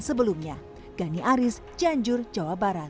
sebelumnya gani aris cianjur jawa barat